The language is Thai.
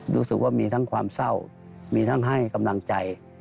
รู้สึกว่ามีทั้งความเศร้ามีทั้งให้กำลังใจ